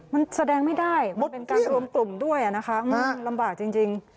มันแสดงไม่ได้มันเป็นการรวมกลุ่มด้วยนะคะมันลำบากจริง